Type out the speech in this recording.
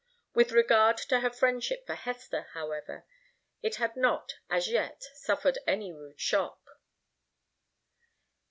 With regard to her friendship for Hester, however, it had not, as yet, suffered any rude shock.